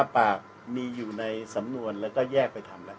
ปากมีอยู่ในสำนวนแล้วก็แยกไปทำแล้ว